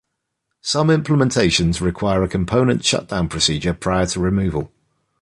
Some implementations require a component shutdown procedure prior to removal.